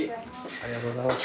ありがとうございます。